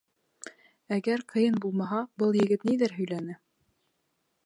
— Әгәр ҡыйын булмаһа, был егет ниҙәр һөйләне?